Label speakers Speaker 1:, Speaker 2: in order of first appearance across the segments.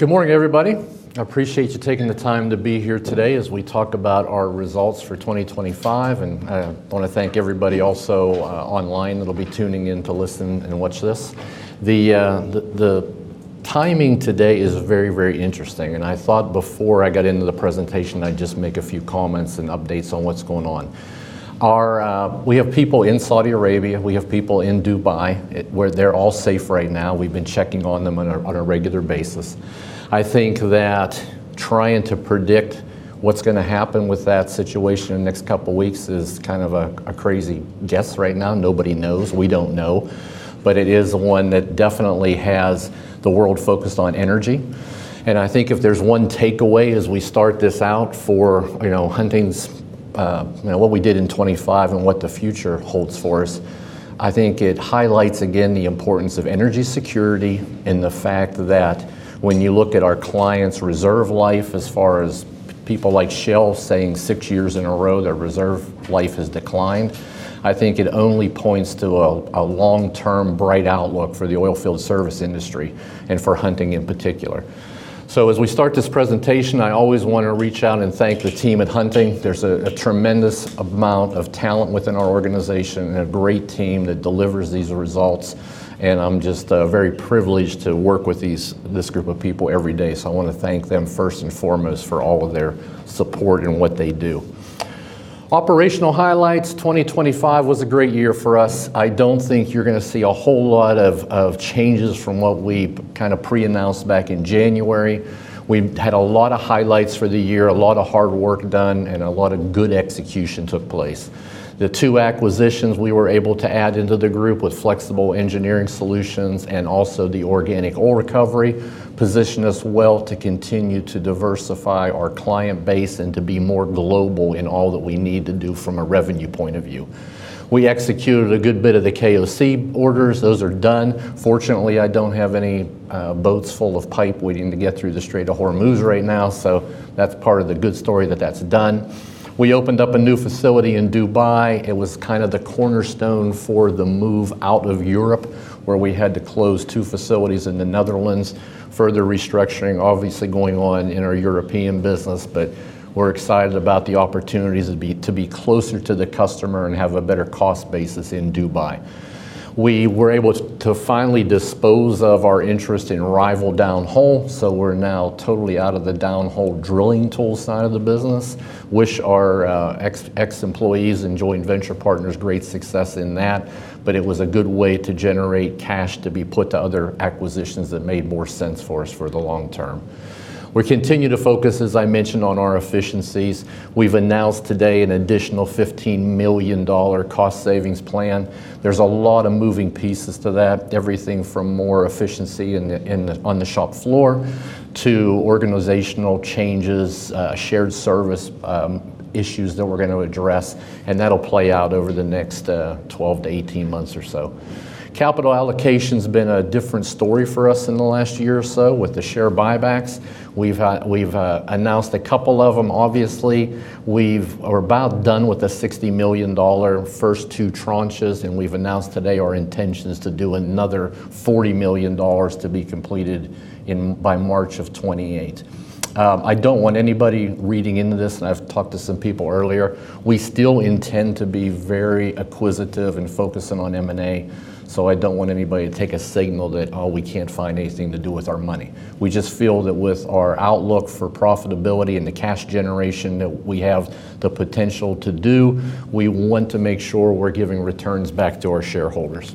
Speaker 1: Good morning, everybody. I appreciate you taking the time to be here today as we talk about our results for 2025, and I want to thank everybody also online that'll be tuning in to listen and watch this. The timing today is very, very interesting, and I thought before I got into the presentation, I'd just make a few comments and updates on what's going on. We have people in Saudi Arabia. We have people in Dubai, where they're all safe right now. We've been checking on them on a regular basis. I think that trying to predict what's gonna happen with that situation in the next couple weeks is kind of a crazy guess right now. Nobody knows. We don't know. It is one that definitely has the world focused on energy, and I think if there's one takeaway as we start this out for, you know, Hunting's, you know, what we did in 2025 and what the future holds for us, I think it highlights again the importance of energy security and the fact that when you look at our clients' reserve life as far as people like Shell saying six years in a row their reserve life has declined, I think it only points to a long-term bright outlook for the oil field service industry and for Hunting in particular. As we start this presentation, I always wanna reach out and thank the team at Hunting. There's a tremendous amount of talent within our organization and a great team that delivers these results, I'm just very privileged to work with this group of people every day. I wanna thank them first and foremost for all of their support and what they do. Operational highlights. 2025 was a great year for us. I don't think you're gonna see a whole lot of changes from what we kind of pre-announced back in January. We had a lot of highlights for the year, a lot of hard work done, a lot of good execution took place. The two acquisitions we were able to add into the group with Flexible Engineering Solutions and also the Organic Oil Recovery position us well to continue to diversify our client base and to be more global in all that we need to do from a revenue point of view. We executed a good bit of the KOC orders. Those are done. Fortunately, I don't have any boats full of pipe waiting to get through the Strait of Hormuz right now, so that's part of the good story that that's done. We opened up a new facility in Dubai. It was kind of the cornerstone for the move out of Europe, where we had to close two facilities in the Netherlands. Further restructuring obviously going on in our European business. We're excited about the opportunities to be closer to the customer and have a better cost basis in Dubai. We were able to finally dispose of our interest in Rival Downhole, so we're now totally out of the downhole drilling tool side of the business. Wish our ex-employees and joint venture partners great success in that, but it was a good way to generate cash to be put to other acquisitions that made more sense for us for the long term. We continue to focus, as I mentioned, on our efficiencies. We've announced today an additional $15 million cost savings plan. There's a lot of moving pieces to that, everything from more efficiency in the on the shop floor to organizational changes, shared service issues that we're gonna address, and that'll play out over the next 12-18 months or so. Capital allocation's been a different story for us in the last year or so with the share buybacks. We've announced a couple of them, obviously. We're about done with the $60 million first two tranches, and we've announced today our intentions to do another $40 million to be completed by March of 2028. I don't want anybody reading into this, and I've talked to some people earlier. We still intend to be very acquisitive and focusing on M&A, so I don't want anybody to take a signal that, oh, we can't find anything to do with our money. We just feel that with our outlook for profitability and the cash generation that we have the potential to do, we want to make sure we're giving returns back to our shareholders.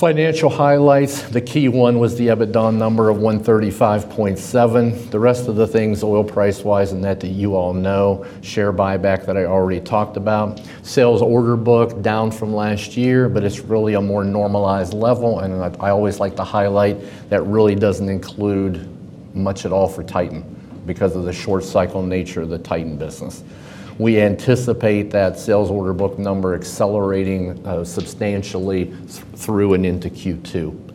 Speaker 1: Financial highlights. The key one was the EBITDA number of $135.7. The rest of the things oil price-wise and that you all know. Share buyback that I already talked about. Sales order book down from last year, but it's really a more normalized level, and I always like to highlight that really doesn't include much at all for Titan because of the short cycle nature of the Titan business. We anticipate that sales order book number accelerating substantially through and into Q2.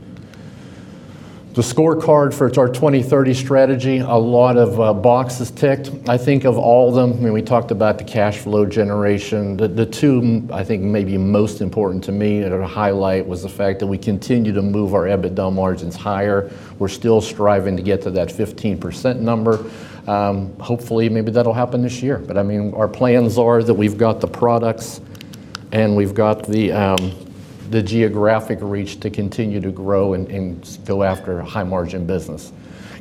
Speaker 1: The scorecard for our 2030 strategy, a lot of boxes ticked. I think of all of them, I mean, we talked about the cash flow generation. The two most important to me or to highlight was the fact that we continue to move our EBITDA margins higher. We're still striving to get to that 15% number. Hopefully, maybe that'll happen this year. I mean, our plans are that we've got the products, and we've got the geographic reach to continue to grow and go after high margin business.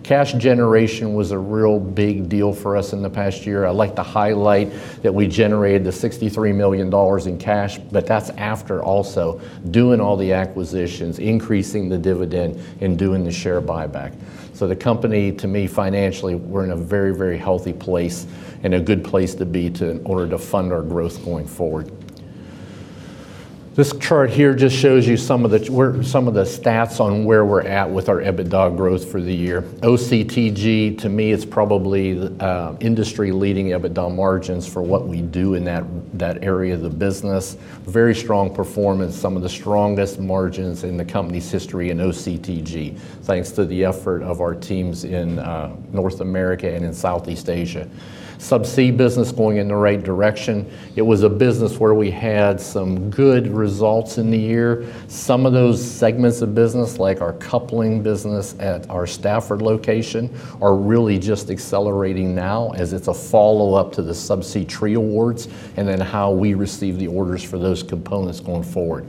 Speaker 1: Cash generation was a real big deal for us in the past year. I'd like to highlight that we generated $63 million in cash, that's after also doing all the acquisitions, increasing the dividend, and doing the share buyback. The company, to me, financially, we're in a very, very healthy place and a good place to be in order to fund our growth going forward. This chart here just shows you some of the, where some of the stats on where we're at with our EBITDA growth for the year. OCTG, to me, it's probably industry-leading EBITDA margins for what we do in that area of the business. Very strong performance, some of the strongest margins in the company's history in OCTG thanks to the effort of our teams in North America and in Southeast Asia. Subsea business going in the right direction. It was a business where we had some good results in the year. Some of those segments of business, like our coupling business at our Stafford location, are really just accelerating now as it's a follow-up to the Subsea Tree awards and then how we receive the orders for those components going forward.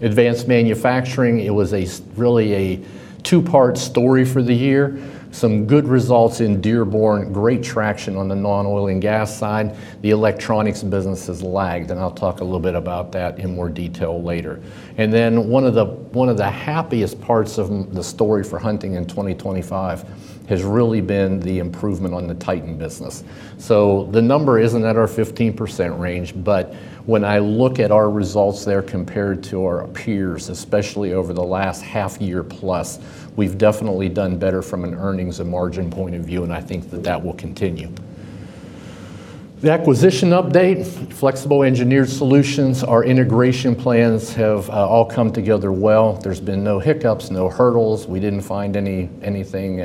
Speaker 1: Advanced manufacturing, it was really a two-part story for the year. Some good results in Dearborn, great traction on the non-oil and gas side. The electronics business has lagged, and I'll talk a little bit about that in more detail later. One of the happiest parts of the story for Hunting in 2025 has really been the improvement on the Titan business. The number isn't at our 15% range. When I look at our results there compared to our peers, especially over the last half year plus, we've definitely done better from an earnings and margin point of view, and I think that that will continue. The acquisition update, Flexible Engineered Solutions, our integration plans have all come together well. There's been no hiccups, no hurdles. We didn't find anything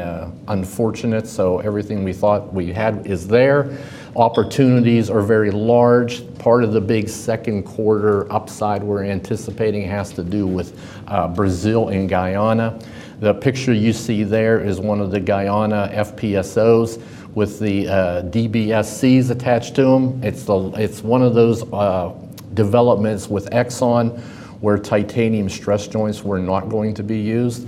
Speaker 1: unfortunate. Everything we thought we had is there. Opportunities are very large. Part of the big second quarter upside we're anticipating has to do with Brazil and Guyana. The picture you see there is one of the Guyana FPSOs with the DBSCs attached to them. It's one of those developments with Exxon where titanium stress joints were not going to be used.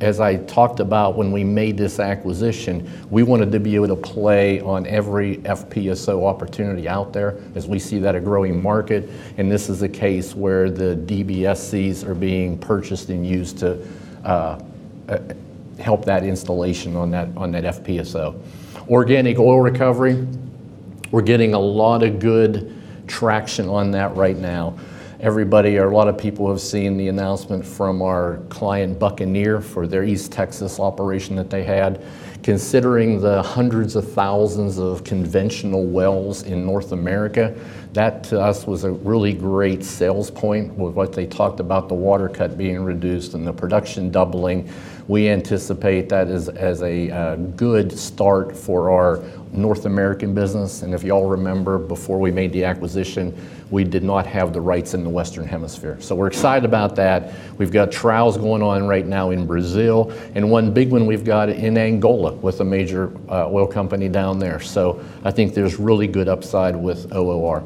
Speaker 1: As I talked about when we made this acquisition, we wanted to be able to play on every FPSO opportunity out there as we see that a growing market, and this is a case where the DBSCs are being purchased and used to help that installation on that FPSO. Organic Oil Recovery, we're getting a lot of good traction on that right now. Everybody or a lot of people have seen the announcement from our client Buccaneer for their East Texas operation that they had. Considering the hundreds of thousands of conventional wells in North America, that to us was a really great sales point with what they talked about the water cut being reduced and the production doubling. We anticipate that as a good start for our North American business, and if y'all remember, before we made the acquisition, we did not have the rights in the Western Hemisphere. We're excited about that. We've got trials going on right now in Brazil and one big one we've got in Angola with a major oil company down there. I think there's really good upside with OOR.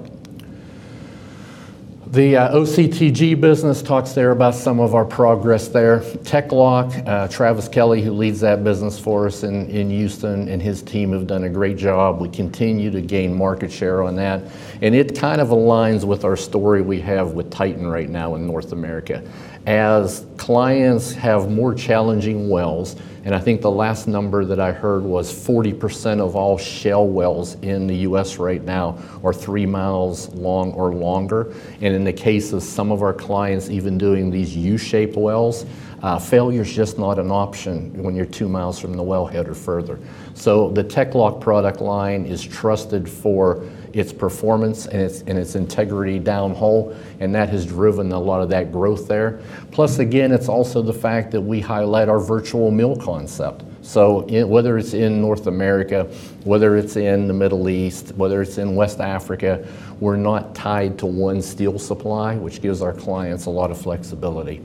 Speaker 1: The OCTG business talks there about some of our progress there. TEC-LOCK, Travis Kelly, who leads that business for us in Houston and his team have done a great job. We continue to gain market share on that, and it kind of aligns with our story we have with Titan right now in North America. As clients have more challenging wells, and I think the last number that I heard was 40% of all shale wells in the U.S. right now are 3 mi long or longer, and in the case of some of our clients even doing these U-shaped wells, failure is just not an option when you're 2 mi from the wellhead or further. The TEC-LOCK product line is trusted for its performance and its integrity downhole, and that has driven a lot of that growth there. Plus again, it's also the fact that we highlight our virtual mill concept. Whether it's in North America, whether it's in the Middle East, whether it's in West Africa, we're not tied to one steel supply, which gives our clients a lot of flexibility.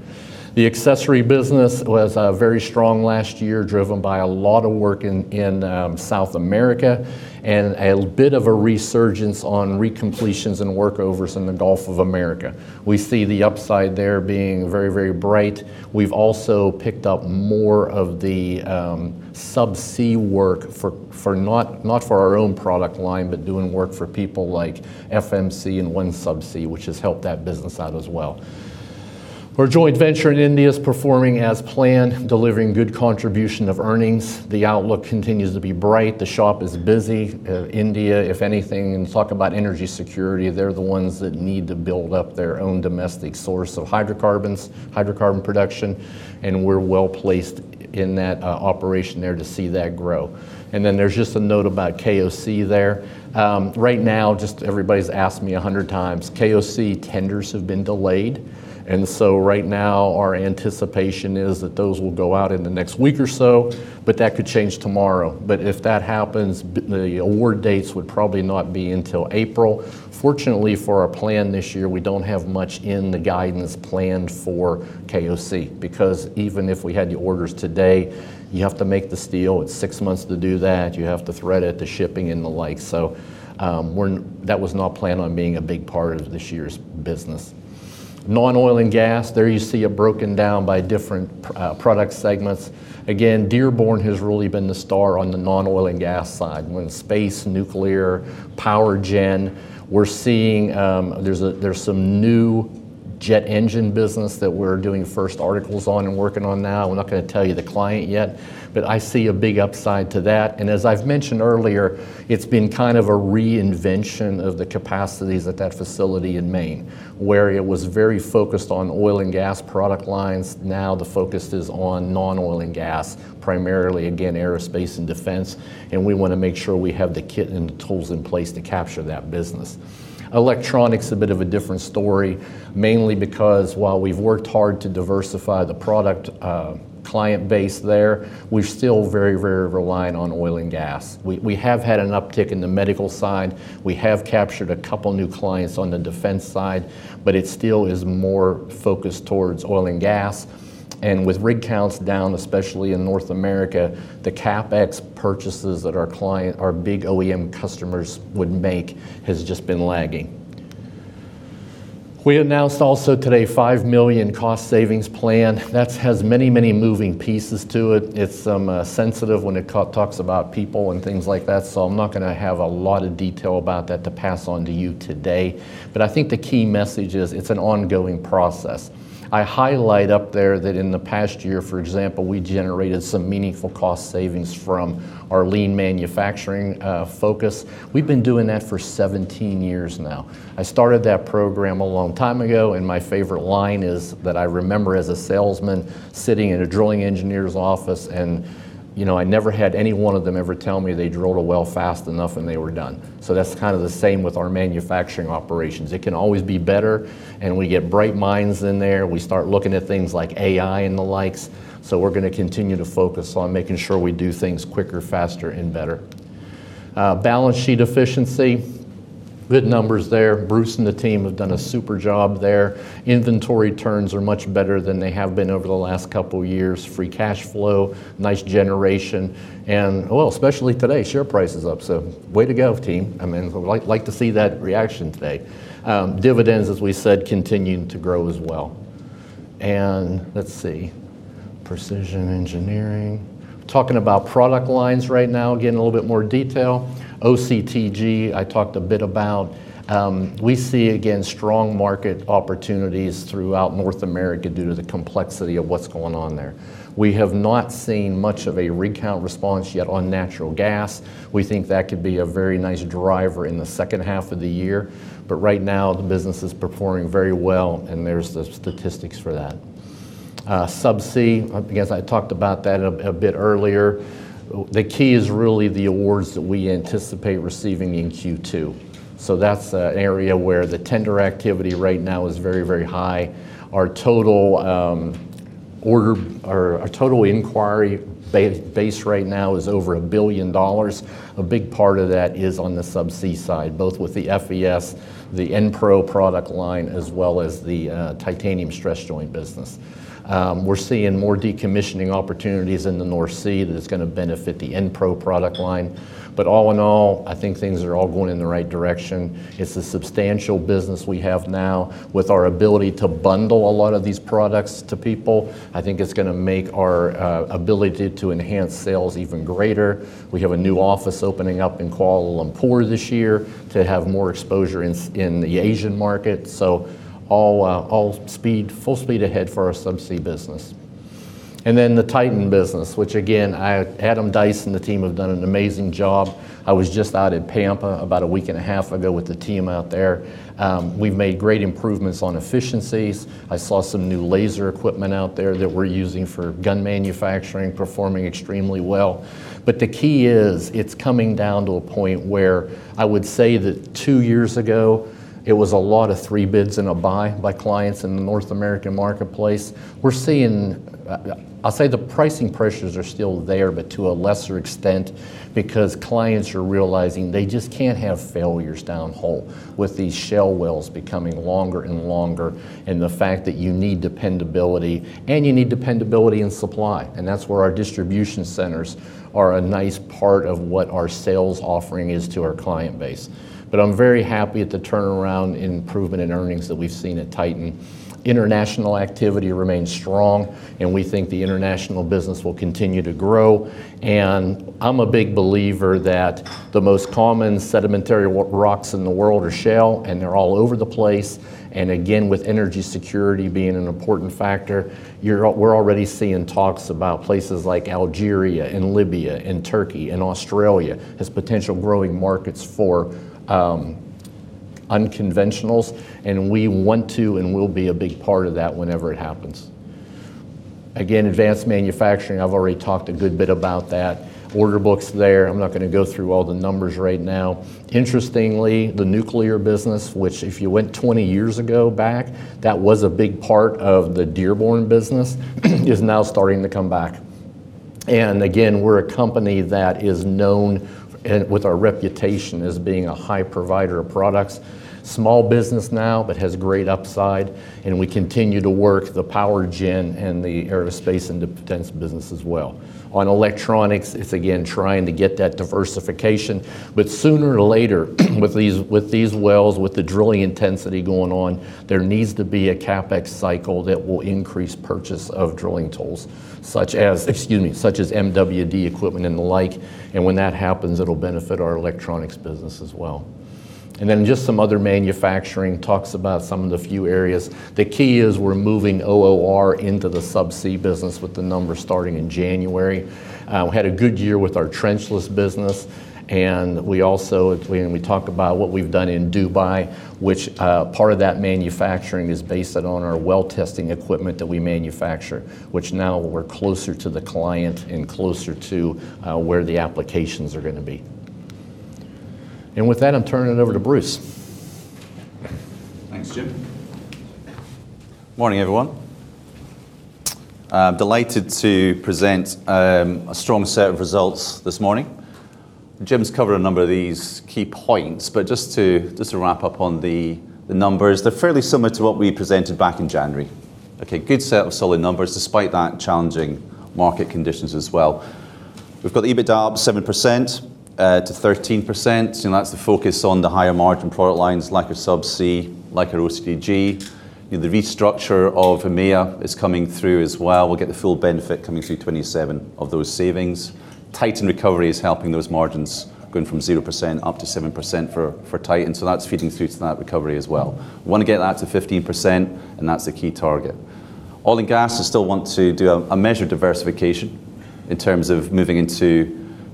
Speaker 1: The accessory business was very strong last year, driven by a lot of work in South America and a bit of a resurgence on recompletions and workovers in the Gulf of America. We see the upside there being very, very bright. We've also picked up more of the subsea work for not for our own product line, but doing work for people like FMC and OneSubsea, which has helped that business out as well. Our joint venture in India is performing as planned, delivering good contribution of earnings. The outlook continues to be bright. The shop is busy. India, if anything, and talk about energy security, they're the ones that need to build up their own domestic source of hydrocarbons, hydrocarbon production, and we're well-placed in that operation there to see that grow. There's just a note about KOC there. Right now, just everybody's asked me 100 times. KOC tenders have been delayed. Right now our anticipation is that those will go out in the next week or so. That could change tomorrow. If that happens, the award dates would probably not be until April. Fortunately for our plan this year, we don't have much in the guidance planned for KOC because even if we had the orders today, you have to make the steel. It's six months to do that. You have to thread it, the shipping and the like. That was not planned on being a big part of this year's business. Non-oil and gas, there you see it broken down by different product segments. Dearborn has really been the star on the non-oil and gas side with space, nuclear, power gen. We're seeing, there's some new jet engine business that we're doing first articles on and working on now, we're not gonna tell you the client yet, but I see a big upside to that. As I've mentioned earlier, it's been kind of a reinvention of the capacities at that facility in Maine, where it was very focused on oil and gas product lines. Now the focus is on non-oil and gas, primarily again aerospace and defense, and we wanna make sure we have the kit and the tools in place to capture that business. Electronics, a bit of a different story, mainly because while we've worked hard to diversify the product, client base there, we're still very reliant on oil and gas. We have had an uptick in the medical side. We have captured a couple new clients on the defense side, but it still is more focused towards oil and gas. With rig counts down, especially in North America, the CapEx purchases that our client, our big OEM customers would make, has just been lagging. We announced also today $5 million cost savings plan. That's has many, many moving pieces to it. It's sensitive when it talks about people and things like that, so I'm not gonna have a lot of detail about that to pass on to you today. I think the key message is it's an ongoing process. I highlight up there that in the past year, for example, we generated some meaningful cost savings from our lean manufacturing focus. We've been doing that for 17 years now. I started that program a long time ago, and my favorite line is that I remember as a salesman sitting in a drilling engineer's office and, you know, I never had any one of them ever tell me they drilled a well fast enough and they were done. That's kind of the same with our manufacturing operations. It can always be better, and we get bright minds in there. We start looking at things like AI and the likes. We're gonna continue to focus on making sure we do things quicker, faster and better. Balance sheet efficiency, good numbers there. Bruce and the team have done a super job there. Inventory turns are much better than they have been over the last couple years. Free cash flow, nice generation, and well, especially today, share price is up. Way to go team. I mean, like to see that reaction today. Dividends, as we said, continuing to grow as well. Let's see. Precision Engineering. Talking about product lines right now, again a little bit more detail. OCTG, I talked a bit about. We see again, strong market opportunities throughout North America due to the complexity of what's going on there. We have not seen much of a recount response yet on natural gas. We think that could be a very nice driver in the second half of the year. Right now the business is performing very well and there's the statistics for that. Subsea, I guess I talked about that a bit earlier. The key is really the awards that we anticipate receiving in Q2. That's a area where the tender activity right now is very, very high. Our total order or our total inquiry base right now is over $1 billion. A big part of that is on the subsea side, both with the FES, the Enpro product line, as well as the titanium stress joint business. We're seeing more decommissioning opportunities in the North Sea that's gonna benefit the Enpro product line. All in all, I think things are all going in the right direction. It's a substantial business we have now. With our ability to bundle a lot of these products to people, I think it's gonna make our ability to enhance sales even greater. We have a new office opening up in Kuala Lumpur this year to have more exposure in the Asian market. All, all speed, full speed ahead for our subsea business. Then the Titan business, which again, I... Adam Dyess and the team have done an amazing job. I was just out at Pampa about a week and a half ago with the team out there. We've made great improvements on efficiencies. I saw some new laser equipment out there that we're using for gun manufacturing, performing extremely well. The key is, it's coming down to a point where I would say that two years ago it was a lot of three bids and a buy by clients in the North American marketplace. We're seeing, I'll say the pricing pressures are still there, but to a lesser extent because clients are realizing they just can't have failures downhole with these shale wells becoming longer and longer and the fact that you need dependability, and you need dependability in supply. That's where our distribution centers are a nice part of what our sales offering is to our client base. I'm very happy at the turnaround improvement in earnings that we've seen at Titan. International activity remains strong. We think the international business will continue to grow. I'm a big believer that the most common sedimentary rocks in the world are shale, and they're all over the place. Again, with energy security being an important factor, you're, we're already seeing talks about places like Algeria and Libya and Turkey and Australia as potential growing markets for unconventionals. We want to and will be a big part of that whenever it happens. Advanced manufacturing, I've already talked a good bit about that. Order books there, I'm not gonna go through all the numbers right now. Interestingly, the nuclear business, which if you went 20 years ago back, that was a big part of the Dearborn business, is now starting to come back. Again, we're a company that is known with our reputation as being a high provider of products. Small business now, but has great upside, and we continue to work the power gen and the aerospace and defense business as well. On electronics, it's again trying to get that diversification. Sooner or later, with these wells, with the drilling intensity going on, there needs to be a CapEx cycle that will increase purchase of drilling tools, such as, excuse me, such as MWD equipment and the like. When that happens, it'll benefit our electronics business as well. Just some other manufacturing talks about some of the few areas. The key is we're moving OOR into the subsea business with the numbers starting in January. We had a good year with our trenchless business, and we talk about what we've done in Dubai, which part of that manufacturing is based on our well testing equipment that we manufacture, which now we're closer to the client and closer to where the applications are gonna be. With that, I'm turning it over to Bruce.
Speaker 2: Thanks, Jim. Morning, everyone. I'm delighted to present a strong set of results this morning. Jim's covered a number of these key points, but just to wrap up on the numbers, they're fairly similar to what we presented back in January. Okay, good set of solid numbers despite that challenging market conditions as well. We've got the EBITDA up 7%-13%. That's the focus on the higher margin product lines, like our subsea, like our OCTG. The restructure of EMEA is coming through as well. We'll get the full benefit coming through 2027 of those savings. Titan Recovery is helping those margins, going from 0%-7% for Titan. That's feeding through to that recovery as well. Wanna get that to 15%. That's the key target. Oil and gas, we still want to do a measure of diversification in terms of moving into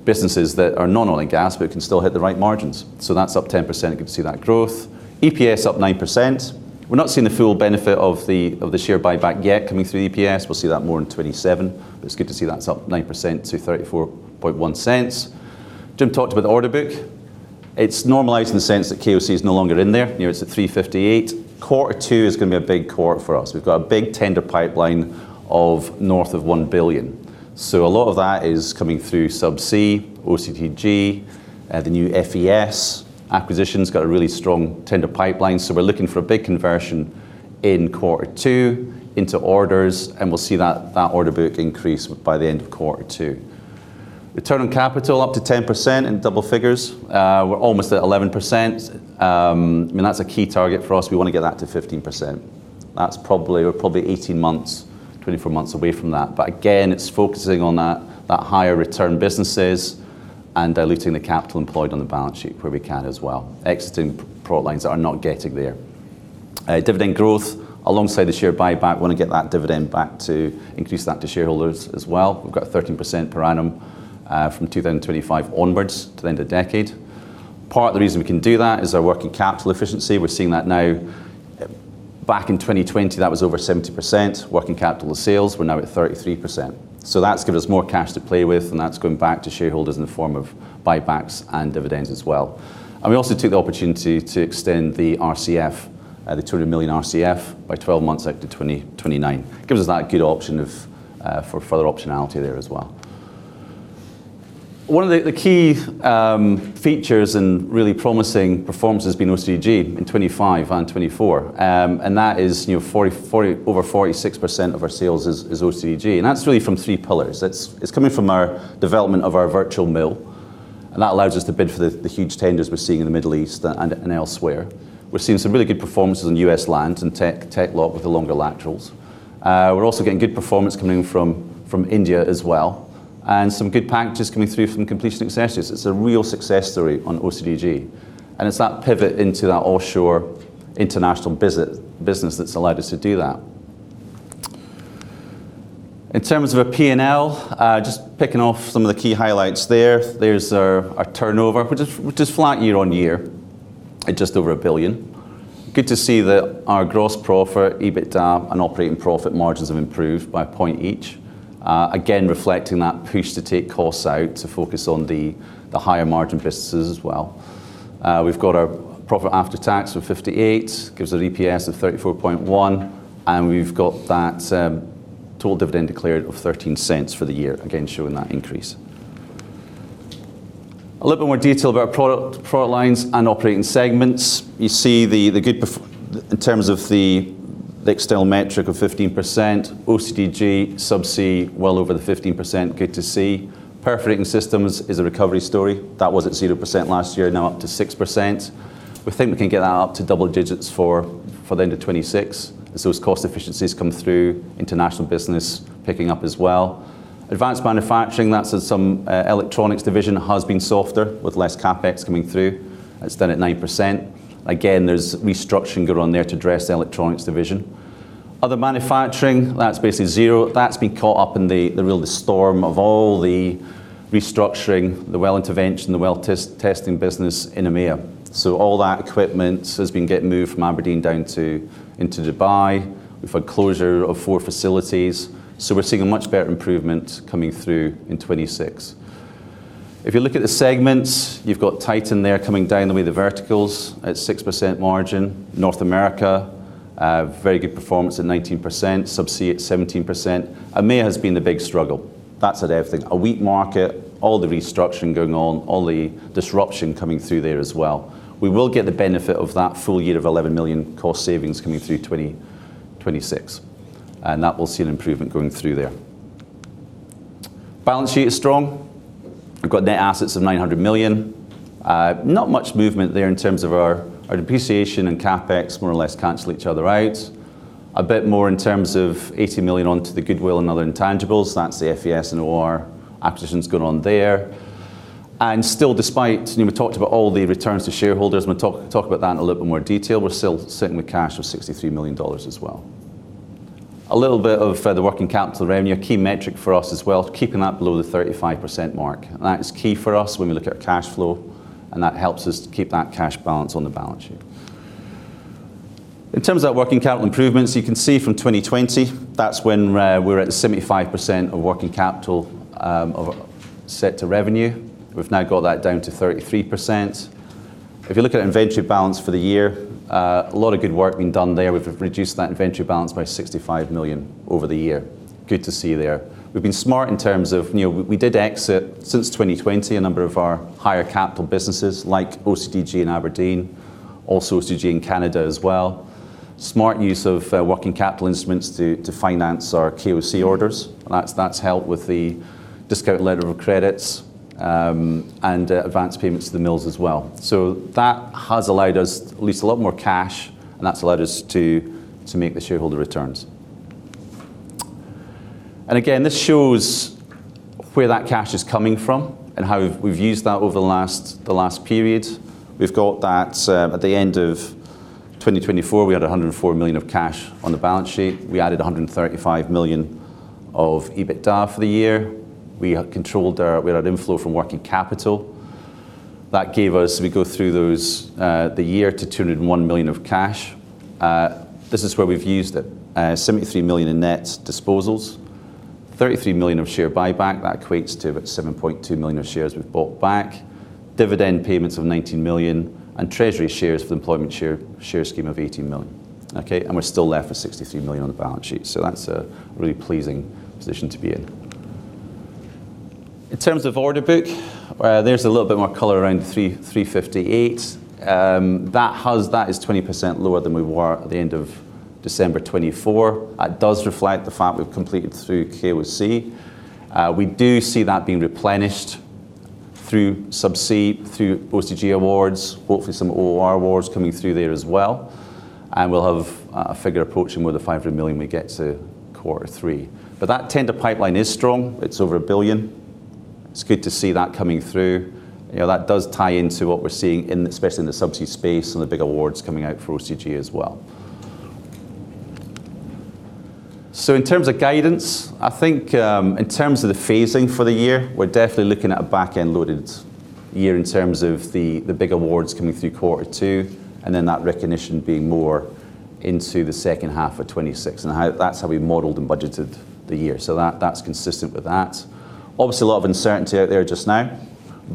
Speaker 2: businesses that are non-oil and gas, but can still hit the right margins. That's up 10%, good to see that growth. EPS up 9%. We're not seeing the full benefit of the share buyback yet coming through EPS. We'll see that more in 2027. It's good to see that's up 9% to $0.341. Jim talked about the order book. It's normalized in the sense that KOC is no longer in there. You know, it's at $358. Quarter two is gonna be a big quarter for us. We've got a big tender pipeline of north of $1 billion. A lot of that is coming through subsea, OCTG, the new FES acquisition's got a really strong tender pipeline. We're looking for a big conversion in quarter two into orders, and we'll see that order book increase by the end of quarter two. Return on capital up to 10% in double figures. We're almost at 11%. I mean, that's a key target for us. We wanna get that to 15%. That's probably 18 months, 24 months away from that. Again, it's focusing on that higher return businesses and diluting the capital employed on the balance sheet where we can as well. Exiting product lines that are not getting there. Dividend growth alongside the share buyback, wanna get that dividend back to increase that to shareholders as well. We've got 13% per annum from 2025 onwards to the end of decade. Part of the reason we can do that is our working capital efficiency. We're seeing that now. Back in 2020, that was over 70%. Working capital to sales, we're now at 33%. That's giving us more cash to play with, and that's going back to shareholders in the form of buybacks and dividends as well. We also took the opportunity to extend the RCF, the $200 million RCF, by 12 months out to 2029. Gives us that good option for further optionality there as well. One of the key features and really promising performance has been OCTG in 2025 and 2024. And that is, you know, 40, over 46% of our sales is OCTG. That's really from three pillars. It's coming from our development of our virtual mill. That allows us to bid for the huge tenders we're seeing in the Middle East and elsewhere. We're seeing some really good performances on U.S. land and TEC-LOCK with the longer laterals. We're also getting good performance coming from India as well, and some good packages coming through from completion accessories. It's a real success story on OCTG. It's that pivot into that offshore international business that's allowed us to do that. In terms of our P&L, just picking off some of the key highlights there. There's our turnover, which is flat year-on-year at just over $1 billion. Good to see that our gross profit, EBITDA, and operating profit margins have improved by a point each. Again, reflecting that push to take costs out to focus on the higher margin businesses as well. We've got our profit after tax of $58, gives it EPS of $34.1. We've got that total dividend declared of $0.13 for the year, again, showing that increase. A little bit more detail about product lines and operating segments. You see the good in terms of the external metric of 15%, OCTG subsea well over the 15%, good to see. Perforating systems is a recovery story. That was at 0% last year, now up to 6%. We think we can get that up to double digits for the end of 2026 as those cost efficiencies come through, international business picking up as well. Advanced manufacturing, that's some electronics division has been softer with less CapEx coming through. That's down at 9%. Again, there's restructuring going on there to address the electronics division. Other manufacturing, that's basically zero. That's been caught up in the real storm of all the restructuring, the well intervention, the well testing business in EMEA. All that equipment has been getting moved from Aberdeen down to, into Dubai. We've had closure of four facilities. We're seeing a much better improvement coming through in 2026. If you look at the segments, you've got Titan there coming down the way, the verticals at 6% margin. North America, very good performance at 19%. Subsea at 17%. EMEA has been the big struggle. That's had everything. A weak market, all the restructuring going on, all the disruption coming through there as well. We will get the benefit of that full year of $11 million cost savings coming through 2026. That will see an improvement going through there. Balance sheet is strong. We've got net assets of $900 million. Not much movement there in terms of our depreciation and CapEx more or less cancel each other out. A bit more in terms of $80 million onto the goodwill and other intangibles. That's the FES and OOR acquisitions going on there. Still, despite, you know, we talked about all the returns to shareholders, and we'll talk about that in a little bit more detail, we're still sitting with cash of $63 million as well. A little bit of the working capital revenue, a key metric for us as well, keeping that below the 35% mark. That is key for us when we look at cash flow, that helps us to keep that cash balance on the balance sheet. In terms of working capital improvements, you can see from 2020, that's when we're at 75% of working capital, of set to revenue. We've now got that down to 33%. If you look at inventory balance for the year, a lot of good work being done there. We've reduced that inventory balance by $65 million over the year. Good to see you there. We've been smart in terms of, you know, we did exit, since 2020, a number of our higher capital businesses like OCTG in Aberdeen, also OCTG in Canada as well. Smart use of working capital instruments to finance our KOC orders. That's helped with the discount letter of credits, and advance payments to the mills as well. That has allowed us at least a lot more cash, and that's allowed us to make the shareholder returns. Again, this shows where that cash is coming from and how we've used that over the last period. We've got that at the end of 2024, we had $104 million of cash on the balance sheet. We added $135 million of EBITDA for the year. We had an inflow from working capital. That gave us, we go through those, the year to $201 million of cash. This is where we've used it. $73 million in net disposals, $33 million of share buyback. That equates to about $7.2 million of shares we've bought back. Dividend payments of $19 million, and treasury shares for the employment share scheme of $18 million. Okay? We're still left with $63 million on the balance sheet. That's a really pleasing position to be in. In terms of order book, there's a little bit more color around $358 million. That is 20% lower than we were at the end of December 2024. That does reflect the fact we've completed through KOC. We do see that being replenished through subsea, through OCTG awards, hopefully some OOR awards coming through there as well. We'll have a figure approaching where the $500 million may get to Q3. That tender pipeline is strong. It's over $1 billion. It's good to see that coming through. You know, that does tie into what we're seeing in, especially in the subsea space and the big awards coming out for OCTG as well. In terms of guidance, I think, in terms of the phasing for the year, we're definitely looking at a back-end-loaded year in terms of the big awards coming through Q2, and then that recognition being more into the second half of 2026. That's how we modeled and budgeted the year. That's consistent with that. Obviously, a lot of uncertainty out there just now,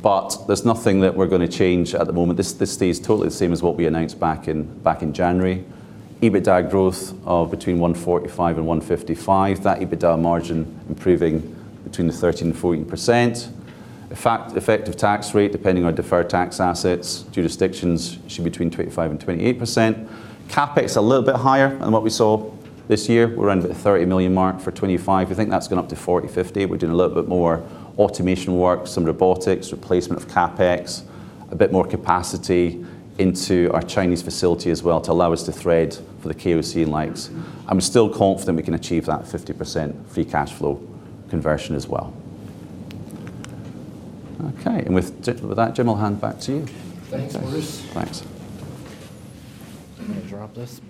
Speaker 2: but there's nothing that we're gonna change at the moment. This stays totally the same as what we announced back in January. EBITDA growth of between $145 million and $155 million. That EBITDA margin improving between 13% and 14%. Effective tax rate, depending on deferred tax assets, jurisdictions, should between 25% and 28%. CapEx a little bit higher than what we saw this year. We're under the $30 million mark for 2025. We think that's gone up to $40 million-$50 million. We're doing a little bit more automation work, some robotics, replacement of CapEx, a bit more capacity into our Chinese facility as well to allow us to thread for the KOC and likes. I'm still confident we can achieve that 50% free cash flow conversion as well. Okay. With that, Jim, I'll hand back to you.
Speaker 1: Thanks, Bruce.
Speaker 2: Thanks.
Speaker 1: I'm gonna drop this.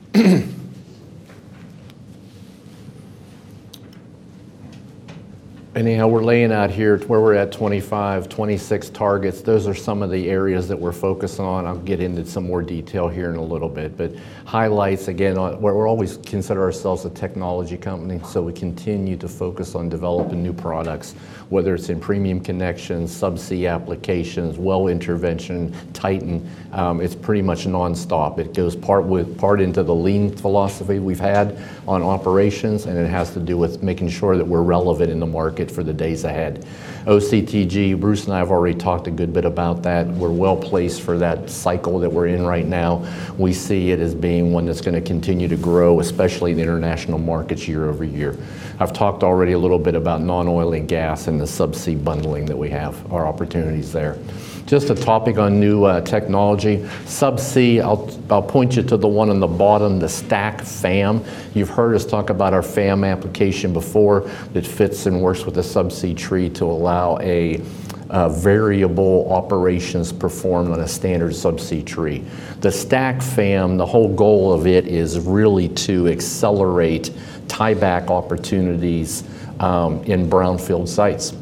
Speaker 1: Anyhow, we're laying out here where we're at 2025, 2026 targets. Those are some of the areas that we're focused on. I'll get into some more detail here in a little bit. Highlights, again, we always consider ourselves a technology company, so we continue to focus on developing new products, whether it's in premium connections, subsea applications, well intervention, Titan, it's pretty much nonstop. It goes part into the lean philosophy we've had on operations, and it has to do with making sure that we're relevant in the market for the days ahead. OCTG, Bruce and I have already talked a good bit about that. We're well-placed for that cycle that we're in right now. We see it as being one that's gonna continue to grow, especially in the international markets year-over-year. I've talked already a little bit about non-oil and gas and the subsea bundling that we have, our opportunities there. Just a topic on new technology. Subsea, I'll point you to the one on the bottom, the STACK FAM. You've heard us talk about our FAM application before that fits and works with a subsea tree to allow variable operations performed on a standard subsea tree. The STACK FAM, the whole goal of it is really to accelerate tieback opportunities in brownfield sites.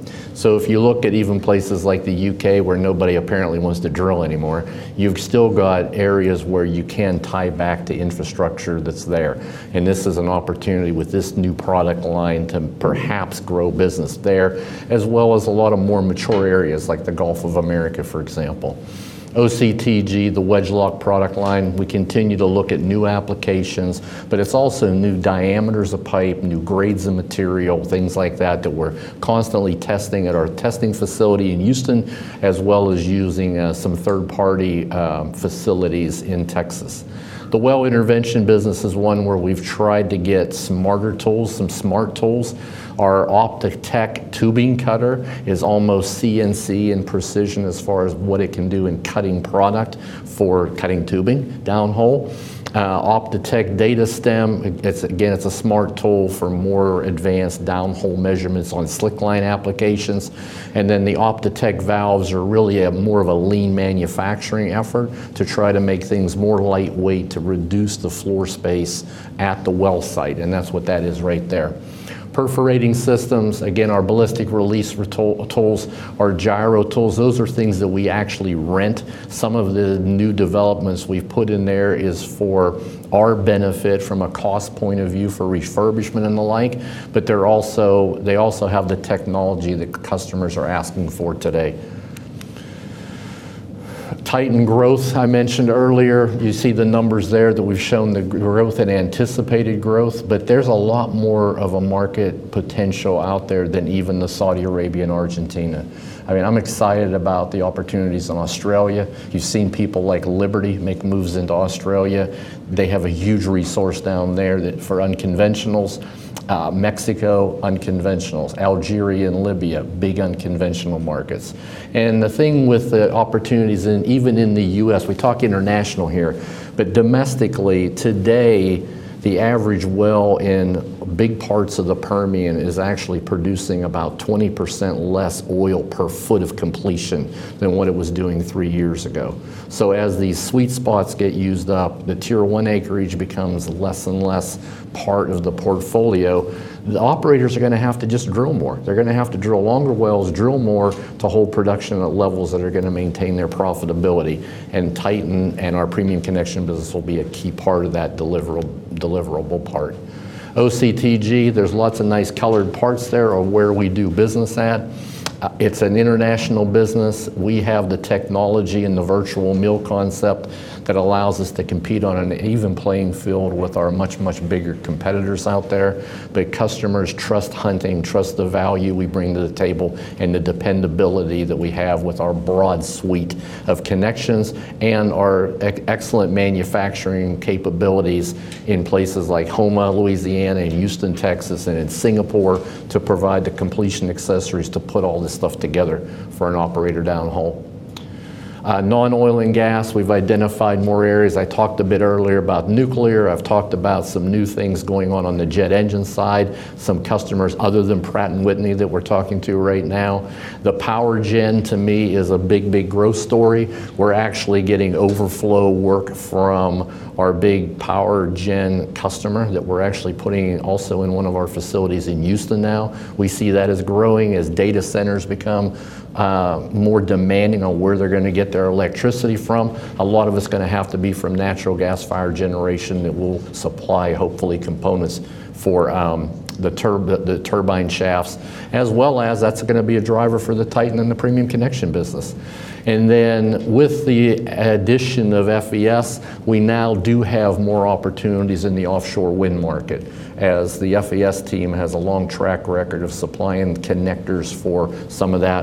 Speaker 1: If you look at even places like the U.K. where nobody apparently wants to drill anymore, you've still got areas where you can tie back to infrastructure that's there. This is an opportunity with this new product line to perhaps grow business there, as well as a lot of more mature areas like the Gulf of America, for example. OCTG, the WEDGE-LOCK product line, we continue to look at new applications, but it's also new diameters of pipe, new grades of material, things like that that we're constantly testing at our testing facility in Houston, as well as using some third-party facilities in Texas. The well intervention business is one where we've tried to get some smarter tools, some smart tools. Our Opti-TEK tubing cutter is almost CNC in precision as far as what it can do in cutting product for cutting tubing downhole. Opti-TEK Data Stem, it's again, it's a smart tool for more advanced downhole measurements on slickline applications. The Opti-TEK Valves are really a more of a lean manufacturing effort to try to make things more lightweight to reduce the floor space at the well site, and that's what that is right there. Perforating systems, again, our ballistic release tools, our gyro tools, those are things that we actually rent. Some of the new developments we've put in there is for our benefit from a cost point of view for refurbishment and the like, they also have the technology that customers are asking for today. Titan growth, I mentioned earlier. You see the numbers there that we've shown the growth and anticipated growth. There's a lot more of a market potential out there than even the Saudi Arabia and Argentina. I mean, I'm excited about the opportunities in Australia. You've seen people like Liberty make moves into Australia. They have a huge resource down there that for unconventionals, Mexico unconventionals, Algeria and Libya, big unconventional markets. The thing with the opportunities in even in the U.S., we talk international here, but domestically, today, the average well in big parts of the Permian is actually producing about 20% less oil per foot of completion than what it was doing three years ago. As these sweet spots get used up, the Tier 1 acreage becomes less and less part of the portfolio, the operators are gonna have to just drill more. They're gonna have to drill longer wells, drill more to hold production at levels that are gonna maintain their profitability. Titan and our premium connection business will be a key part of that deliverable part. OCTG, there's lots of nice colored parts there of where we do business at. It's an international business. We have the technology and the virtual mill concept that allows us to compete on an even playing field with our much, much bigger competitors out there. Customers trust Hunting, trust the value we bring to the table, and the dependability that we have with our broad suite of connections and our excellent manufacturing capabilities in places like Houma, Louisiana, and Houston, Texas, and in Singapore to provide the completion accessories to put all this stuff together for an operator down the hole. Non-oil and gas, we've identified more areas. I talked a bit earlier about nuclear. I've talked about some new things going on on the jet engine side, some customers other than Pratt & Whitney that we're talking to right now. The power gen, to me, is a big, big growth story. We're actually getting overflow work from our big power gen customer that we're actually putting also in one of our facilities in Houston now. We see that as growing as data centers become more demanding on where they're gonna get their electricity from. A lot of it's gonna have to be from natural gas fire generation that will supply, hopefully, components for the turbine shafts, as well as that's gonna be a driver for the Titan and the premium connection business. With the addition of FES, we now do have more opportunities in the offshore wind market, as the FES team has a long track record of supplying connectors for some of that.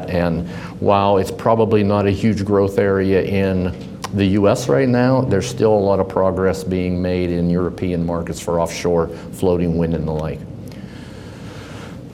Speaker 1: While it's probably not a huge growth area in the U.S. right now, there's still a lot of progress being made in European markets for offshore floating wind and the like.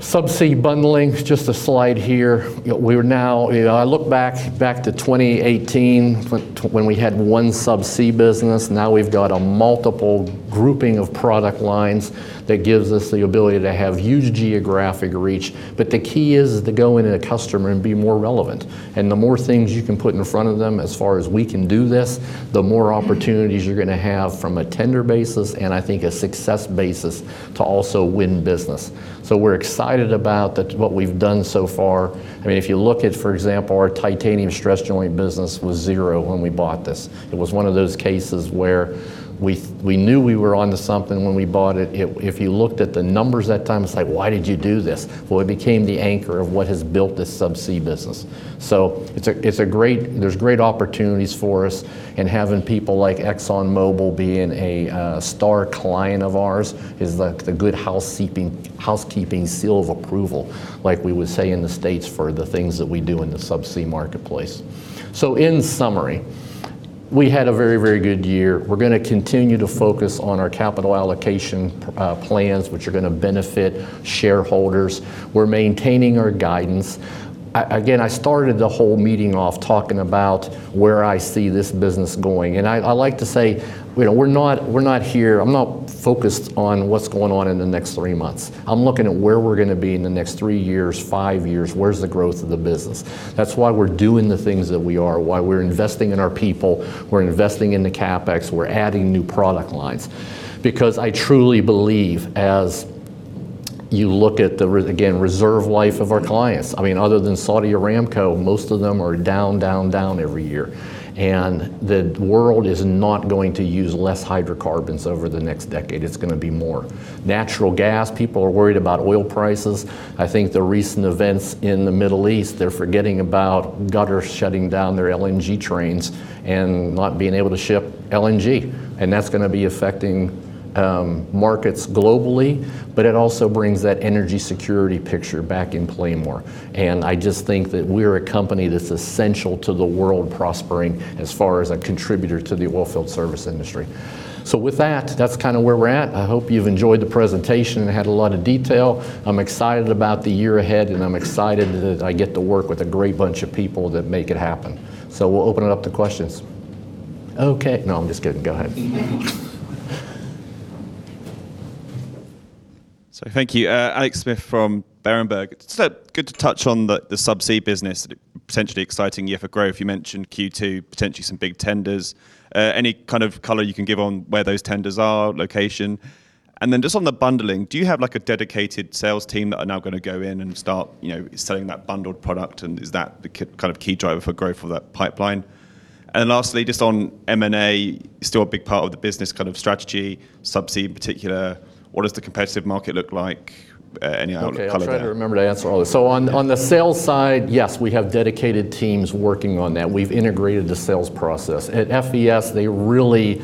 Speaker 1: Subsea bundling, just a slide here. You know, we're now. I look back to 2018 when we had OneSubsea business. Now we've got a multiple grouping of product lines that gives us the ability to have huge geographic reach. The key is to go in at a customer and be more relevant. The more things you can put in front of them, as far as we can do this, the more opportunities you're gonna have from a tender basis and I think a success basis to also win business. We're excited about the, what we've done so far. I mean, if you look at, for example, our titanium stress joint business was zero when we bought this. It was one of those cases where we knew we were onto something when we bought it. If you looked at the numbers that time, it's like, "Why did you do this?" Well, it became the anchor of what has built this subsea business. It's a great there's great opportunities for us, and having people like ExxonMobil being a star client of ours is the good housekeeping seal of approval, like we would say in the States, for the things that we do in the subsea marketplace. In summary, we had a very, very good year. We're gonna continue to focus on our capital allocation plans, which are gonna benefit shareholders. We're maintaining our guidance. Again, I started the whole meeting off talking about where I see this business going. I like to say, you know, we're not here. I'm not focused on what's going on in the next three months. I'm looking at where we're gonna be in the next three years, five years. Where's the growth of the business? That's why we're doing the things that we are, why we're investing in our people, we're investing in the CapEx, we're adding new product lines. I truly believe as you look at the again, reserve life of our clients, I mean, other than Saudi Aramco, most of them are down, down every year. The world is not going to use less hydrocarbons over the next decade. It's gonna be more. Natural gas, people are worried about oil prices. I think the recent events in the Middle East, they're forgetting about Qatar shutting down their LNG trains and not being able to ship LNG, that's gonna be affecting markets globally, but it also brings that energy security picture back in play more. I just think that we're a company that's essential to the world prospering as far as a contributor to the oilfield service industry. With that's kinda where we're at. I hope you've enjoyed the presentation. It had a lot of detail. I'm excited about the year ahead, and I'm excited that I get to work with a great bunch of people that make it happen. We'll open it up to questions. Okay. No, I'm just kidding. Go ahead.
Speaker 3: Thank you. Alex Smith from Berenberg. It's good to touch on the subsea business. Potentially exciting year for growth. You mentioned Q2, potentially some big tenders. Any kind of color you can give on where those tenders are, location? Just on the bundling, do you have, like, a dedicated sales team that are now gonna go in and start, you know, selling that bundled product, and is that the kind of key driver for growth of that pipeline? Lastly, just on M&A, still a big part of the business kind of strategy, subsea in particular, what does the competitive market look like? Any outlook color there?
Speaker 1: Okay. I'll try to remember to answer all this. On, on the sales side, yes, we have dedicated teams working on that. We've integrated the sales process. At FES, they really.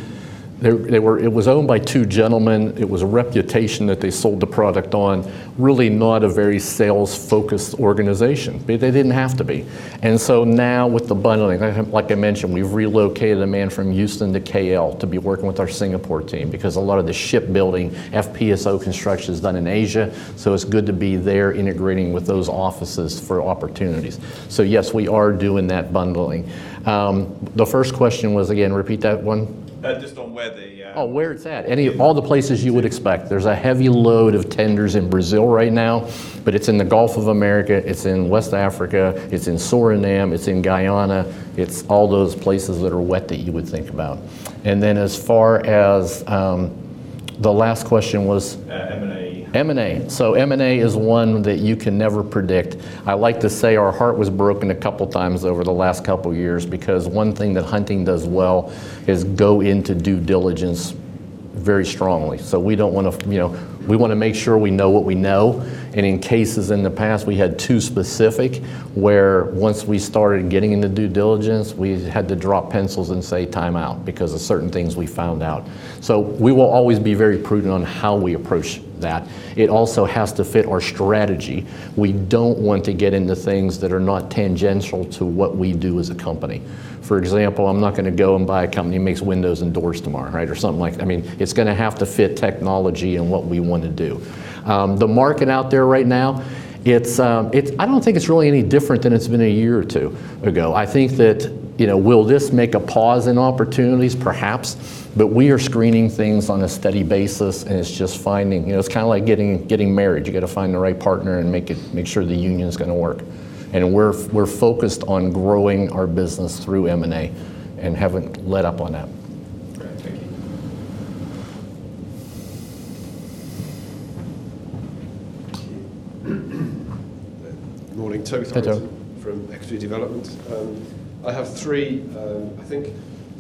Speaker 1: It was owned by two gentlemen. It was a reputation that they sold the product on. Really not a very sales-focused organization. They didn't have to be. Now with the bundling, like I mentioned, we've relocated a man from Houston to KL to be working with our Singapore team because a lot of the shipbuilding FPSO construction is done in Asia, so it's good to be there integrating with those offices for opportunities. Yes, we are doing that bundling. The first question was again, repeat that one.
Speaker 3: Just on where the,
Speaker 1: Oh, where it's at. All the places you would expect. There's a heavy load of tenders in Brazil right now, but it's in the Gulf of America, it's in West Africa, it's in Suriname, it's in Guyana. It's all those places that are wet that you would think about. As far as the last question was? M&A. M&A is one that you can never predict. I like to say our heart was broken a couple times over the last couple years because one thing that Hunting does well is go into due diligence very strongly. We don't wanna, you know, we wanna make sure we know what we know, and in cases in the past, we had two specific where once we started getting into due diligence, we had to drop pencils and say time out because of certain things we found out. We will always be very prudent on how we approach that. It also has to fit our strategy. We don't want to get into things that are not tangential to what we do as a company. For example, I'm not gonna go and buy a company that makes windows and doors tomorrow, right? I mean, it's gonna have to fit technology and what we want to do. The market out there right now, I don't think it's really any different than it's been a year or two ago. I think that, you know, will this make a pause in opportunities? Perhaps. We are screening things on a steady basis, and it's just finding. You know, it's kinda like getting married. You gotta find the right partner and make sure the union's gonna work. We're focused on growing our business through M&A and haven't let up on that.
Speaker 3: Great. Thank you.
Speaker 4: Thank you. Morning. Toby Thorrington-
Speaker 1: Hi, Toby.
Speaker 4: from Equity Development. I have three, I think.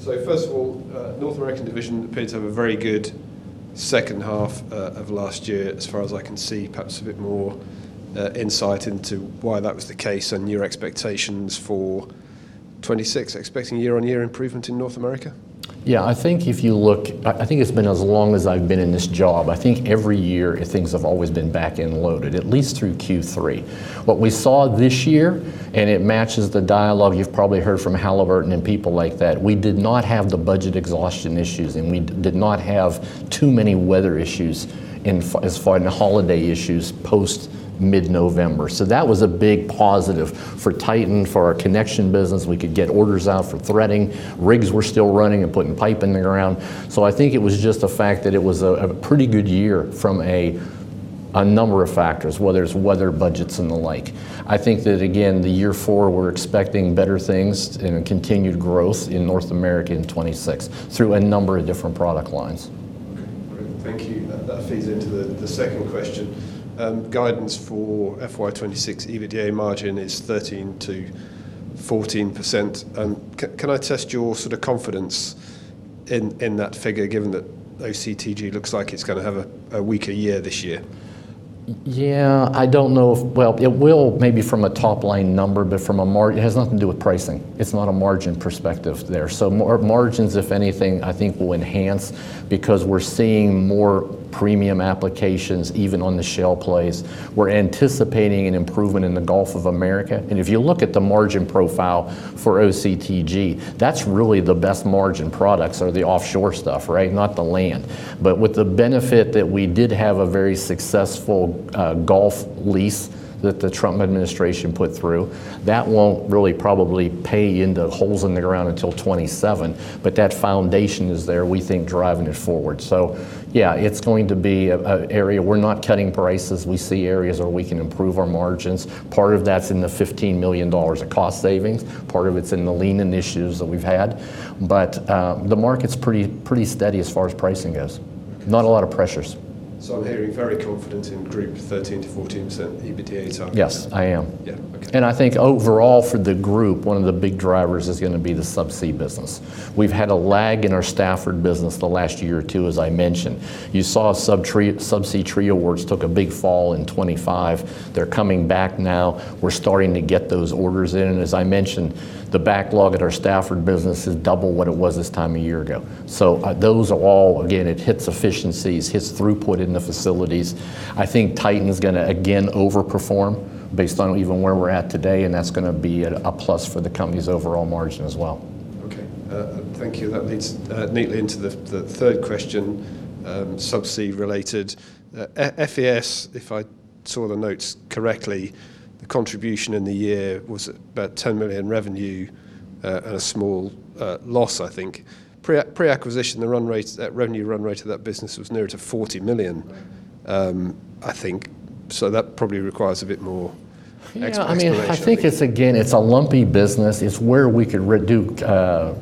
Speaker 4: First of all, North American division appeared to have a very good second half of last year as far as I can see. Perhaps a bit more insight into why that was the case and your expectations for 2026. Expecting year-on-year improvement in North America?
Speaker 1: I think if you look, I think it's been as long as I've been in this job, I think every year things have always been back and loaded, at least through Q3. What we saw this year, and it matches the dialogue you've probably heard from Halliburton and people like that, we did not have the budget exhaustion issues, and we did not have too many weather issues as far as holiday issues post mid-November. That was a big positive for Titan, for our connection business. We could get orders out for threading. Rigs were still running and putting pipe in the ground. I think it was just the fact that it was a pretty good year from a number of factors, weathers, weather budgets and the like. I think that again, the year four we're expecting better things and a continued growth in North America in 2026 through a number of different product lines.
Speaker 4: Okay. Great. Thank you. That feeds into the second question. Guidance for FY 2026 EBITDA margin is 13%-14%. Can I test your sort of confidence in that figure given that OCTG looks like it's gonna have a weaker year this year?
Speaker 1: Yeah. I don't know if. Well, it will maybe from a top line number. It has nothing to do with pricing. It's not a margin perspective there. Margins, if anything, I think will enhance because we're seeing more premium applications even on the shale plays. We're anticipating an improvement in the Gulf of America. If you look at the margin profile for OCTG, that's really the best margin products are the offshore stuff, right? Not the land. With the benefit that we did have a very successful Gulf lease that the Trump administration put through, that won't really probably pay into holes in the ground until 2027, but that foundation is there, we think, driving it forward. Yeah, it's going to be a area. We're not cutting prices. We see areas where we can improve our margins. Part of that's in the $15 million of cost savings. Part of it's in the leaning issues that we've had. The market's pretty steady as far as pricing goes. Not a lot of pressures.
Speaker 4: I'm hearing very confident in group 13%-14% EBITDA targets.
Speaker 1: Yes, I am.
Speaker 4: Yeah. Okay.
Speaker 1: I think overall for the group, one of the big drivers is gonna be the subsea business. We've had a lag in our Stafford business the last year or two, as I mentioned. You saw subsea tree awards took a big fall in 2025. They're coming back now. We're starting to get those orders in. As I mentioned, the backlog at our Stafford business is double what it was this time of year ago. Those all. Again, it hits efficiencies, hits throughput in the facilities. I think Titan's gonna again overperform based on even where we're at today, and that's gonna be at a plus for the company's overall margin as well.
Speaker 4: Okay. Thank you. That leads neatly into the third question, subsea related. FES, if I- If I saw the notes correctly, the contribution in the year was about $10 million revenue, and a small loss, I think. Pre-acquisition, the revenue run rate of that business was nearer to $40 million, I think. That probably requires a bit more explanation.
Speaker 1: Yeah, I mean, I think it's, again, it's a lumpy business. It's where we could redo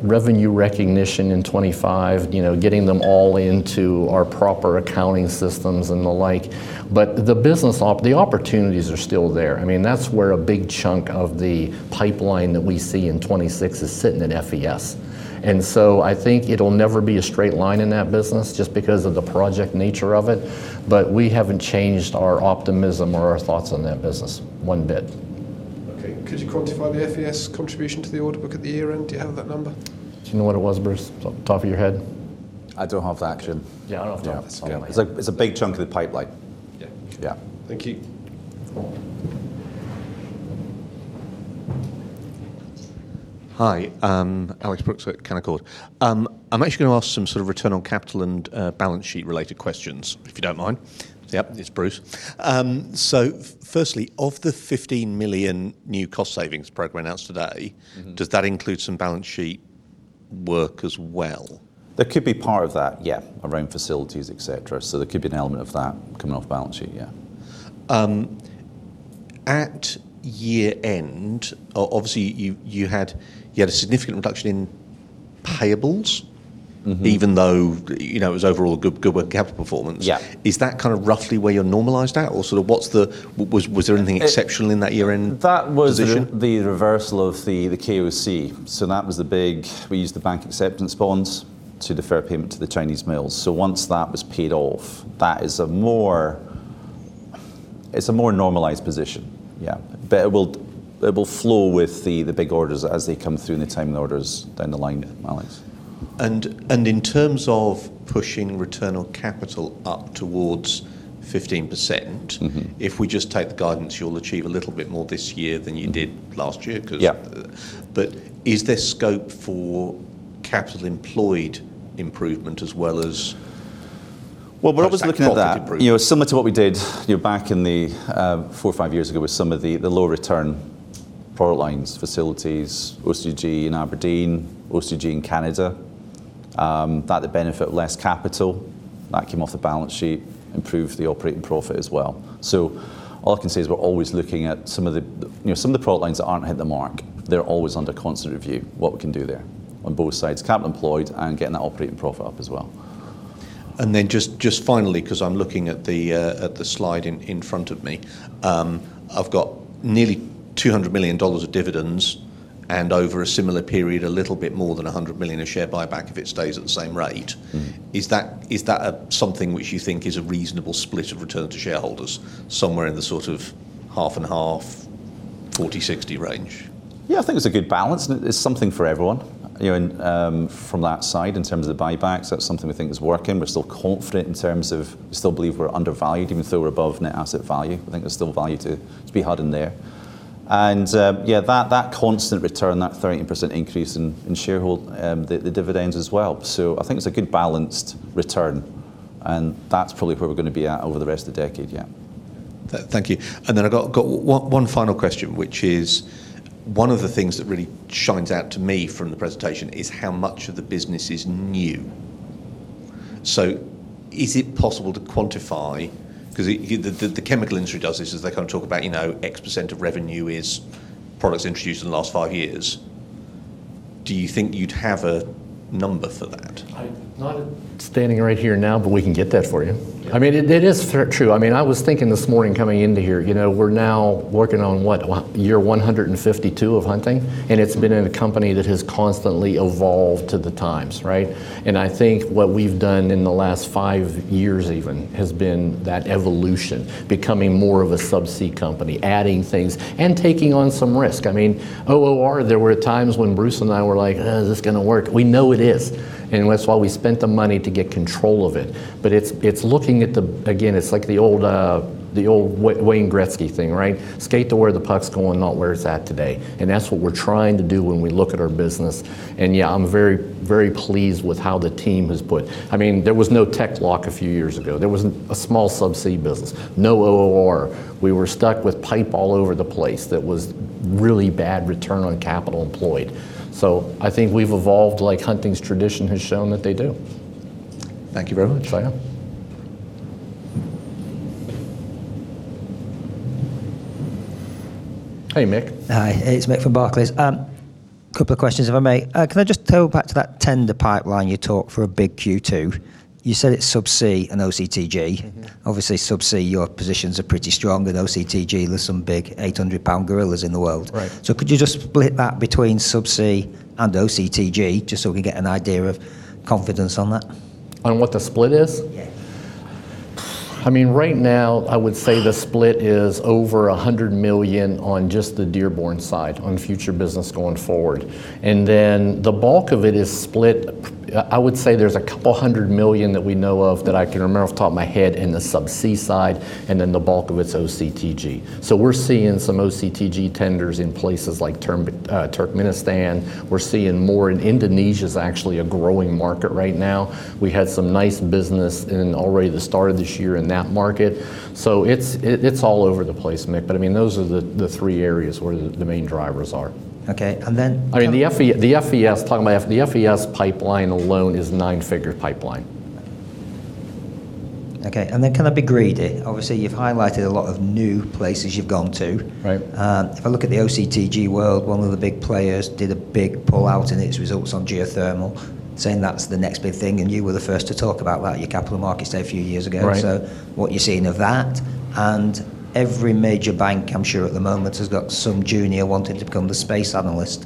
Speaker 1: revenue recognition in 2025, you know, getting them all into our proper accounting systems and the like. The business opportunities are still there. I mean, that's where a big chunk of the pipeline that we see in 2026 is sitting in FES. I think it'll never be a straight line in that business just because of the project nature of it, but we haven't changed our optimism or our thoughts on that business one bit.
Speaker 4: Okay. Could you quantify the FES contribution to the order book at the year-end? Do you have that number?
Speaker 1: Do you know what it was, Bruce, off the top of your head?
Speaker 2: I don't have that, actually. Yeah, I don't have it off the top of my head. It's a big chunk of the pipeline. Yeah.
Speaker 4: Thank you.
Speaker 2: You're welcome.
Speaker 5: Hi. Alex Brooks at Canaccord. I'm actually gonna ask some sort of return on capital and balance sheet related questions, if you don't mind. Yep, it's Bruce. Firstly, of the $15 million new cost savings program announced today-
Speaker 2: Mm-hmm
Speaker 5: Does that include some balance sheet work as well?
Speaker 2: That could be part of that, yeah, around facilities, et cetera. There could be an element of that coming off balance sheet, yeah.
Speaker 5: At year-end, obviously you had a significant reduction in payables.
Speaker 2: Mm-hmm
Speaker 5: Even though, you know, it was overall good capital performance.
Speaker 2: Yeah.
Speaker 5: Is that kind of roughly where you're normalized at? Sort of what's the... was there anything exceptional in that year-end position?
Speaker 2: That was the reversal of the KOC. That was the big. We used the bank acceptance bonds to defer payment to the Chinese mills. Once that was paid off, it's a more normalized position, yeah. It will flow with the big orders as they come through in the timing of the orders down the line, Alex.
Speaker 5: In terms of pushing return on capital up towards 15%.
Speaker 2: Mm-hmm
Speaker 5: If we just take the guidance, you'll achieve a little bit more this year than you did last year because.
Speaker 2: Yeah
Speaker 5: Is there scope for capital employed improvement.
Speaker 2: Well, when I was looking at that-...
Speaker 5: perhaps that profit improvement?...
Speaker 2: you know, similar to what we did, you know, back in the, four or five years ago with some of the lower return product lines, facilities, OCTG in Aberdeen, OCTG in Canada, that would benefit less capital. That came off the balance sheet, improved the operating profit as well. All I can say is we're always looking at some of the, you know, some of the product lines that aren't hitting the mark. They're always under constant review, what we can do there on both sides, capital employed and getting that operating profit up as well.
Speaker 5: Just finally, because I'm looking at the slide in front of me, I've got nearly $200 million of dividends and over a similar period, a little bit more than $100 million of share buyback if it stays at the same rate.
Speaker 2: Mm-hmm.
Speaker 5: Is that something which you think is a reasonable split of return to shareholders somewhere in the sort of 50/50, 40/60 range?
Speaker 2: Yeah, I think it's a good balance and it's something for everyone. You know, from that side in terms of the buybacks, that's something we think is working. We're still confident we still believe we're undervalued even though we're above net asset value. I think there's still value to be had in there. Yeah, that constant return, that 13% increase in shareholder the dividends as well. I think it's a good balanced return and that's probably where we're gonna be at over the rest of the decade, yeah.
Speaker 5: Thank you. I got one final question which is one of the things that really shines out to me from the presentation is how much of the business is new. Is it possible to quantify? Because the chemical industry does this as they kind of talk about, you know, X percent of revenue is products introduced in the last five years. Do you think you'd have a number for that?
Speaker 1: Not standing right here now, but we can get that for you.
Speaker 5: Yeah.
Speaker 1: I mean, it is fair, true. I mean, I was thinking this morning coming into here, you know, we're now working on what? Year 152 of Hunting. It's been a company that has constantly evolved to the times, right? I think what we've done in the last five years even has been that evolution, becoming more of a subsea company, adding things and taking on some risk. I mean, OOR, there were times when Bruce and I were like, "Is this gonna work?" We know it is. That's why we spent the money to get control of it. It's, it's looking at the. Again, it's like the old, the old Wayne Gretzky thing, right? Skate to where the puck's going, not where it's at today. That's what we're trying to do when we look at our business. Yeah, I'm very, very pleased with how the team has. I mean, there was no TEC-LOCK a few years ago. There was a small subsea business. No OOR. We were stuck with pipe all over the place that was really bad return on capital employed. I think we've evolved like Hunting's tradition has shown that they do.
Speaker 5: Thank you very much.
Speaker 1: Sure. Hey, Mick.
Speaker 6: Hi. It's Mick from Barclays. Couple of questions if I may. Can I just go back to that tender pipeline you talked for a big Q2? You said it's subsea and OCTG.
Speaker 1: Mm-hmm.
Speaker 6: Obviously subsea, your positions are pretty strong. In OCTG, there's some big 800 lbs gorillas in the world.
Speaker 1: Right.
Speaker 6: Could you just split that between subsea and OCTG just so we get an idea of confidence on that?
Speaker 1: On what the split is?
Speaker 6: Yeah.
Speaker 1: I mean, right now I would say the split is over $100 million on just the Dearborn side, on future business going forward. The bulk of it is split, I would say there's $200 million that we know of that I can remember off the top of my head in the subsea side. The bulk of it's OCTG. We're seeing some OCTG tenders in places like Turkmenistan. We're seeing more in Indonesia is actually a growing market right now. We had some nice business in already the start of this year in that market. It's all over the place, Mick, I mean, those are the three areas where the main drivers are.
Speaker 6: Okay.
Speaker 1: I mean, the FES pipeline alone is nine-figure pipeline.
Speaker 6: Okay. Then can I be greedy? Obviously, you've highlighted a lot of new places you've gone to.
Speaker 1: Right.
Speaker 6: If I look at the OCTG world, one of the big players did a big pull-out in its results on geothermal, saying that's the next big thing. You were the first to talk about that at your capital markets day a few years ago.
Speaker 1: Right.
Speaker 6: What you're seeing of that, and every major bank, I'm sure at the moment, has got some junior wanting to become the space analyst,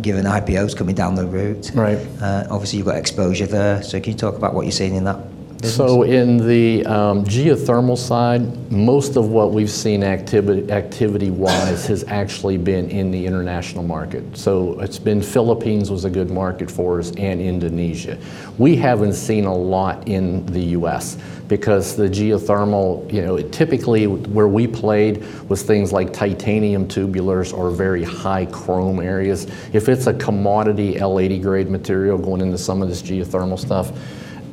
Speaker 6: given IPOs coming down the route.
Speaker 1: Right.
Speaker 6: Obviously, you've got exposure there. Can you talk about what you're seeing in that business?
Speaker 1: In the geothermal side, most of what we've seen activity-wise has actually been in the international market. It's been Philippines was a good market for us and Indonesia. We haven't seen a lot in the U.S. because the geothermal, you know, typically where we played was things like titanium tubulars or very high chrome areas. If it's a commodity L80 grade material going into some of this geothermal stuff,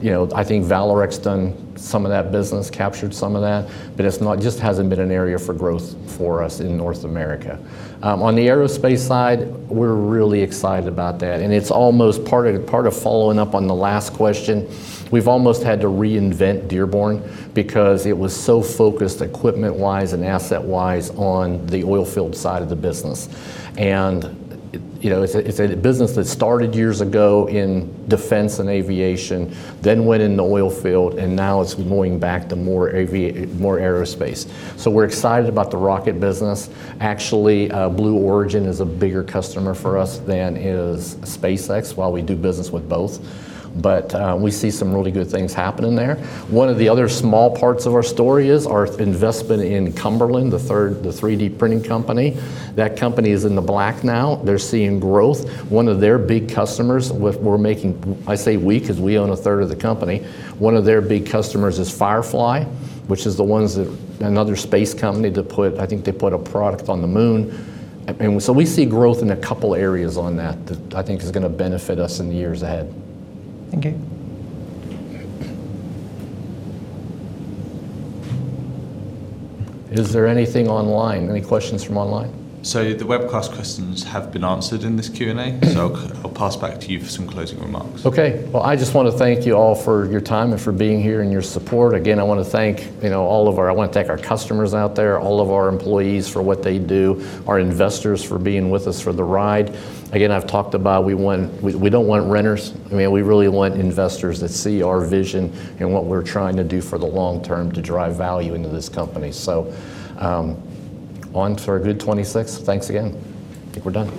Speaker 1: you know, I think Vallourec's done some of that business, captured some of that, but it just hasn't been an area for growth for us in North America. On the aerospace side, we're really excited about that, and it's almost part of following up on the last question. We've almost had to reinvent Dearborn because it was so focused equipment-wise and asset-wise on the oil field side of the business. You know, it's a business that started years ago in defense and aviation, then went in the oil field, and now it's going back to more aerospace. We're excited about the rocket business. Actually, Blue Origin is a bigger customer for us than is SpaceX, while we do business with both. We see some really good things happening there. One of the other small parts of our story is our investment in Cumberland, the 3D printing company. That company is in the black now. They're seeing growth. One of their big customers we're making, I say we because we own 1/3 of the company, one of their big customers is Firefly, which is the ones that, another space company that put, I think they put a product on the moon. We see growth in a couple areas on that that I think is gonna benefit us in the years ahead.
Speaker 6: Thank you.
Speaker 1: Is there anything online? Any questions from online?
Speaker 2: The webcast questions have been answered in this Q&A. I'll pass back to you for some closing remarks.
Speaker 1: Okay. Well, I just wanna thank you all for your time and for being here and your support. Again, I wanna thank, you know, our customers out there, all of our employees for what they do, our investors for being with us for the ride. Again, I've talked about we don't want renters. I mean, we really want investors that see our vision and what we're trying to do for the long term to drive value into this company. On to our good 2026. Thanks again. I think we're done.